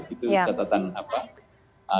itu catatan apa